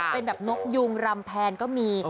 เป็นแบบนกยุงรำแพนก็มี